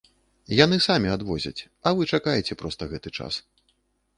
Яны самі адвозяць, а вы чакаеце проста гэты час.